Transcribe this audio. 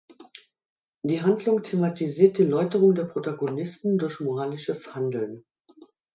Die Handlung thematisiert die Läuterung der Protagonisten durch moralisches Handeln.